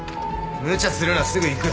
無茶するなすぐ行く。